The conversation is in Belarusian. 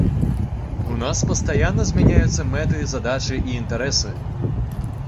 У нас пастаянна змяняюцца мэты, задачы і інтарэсы.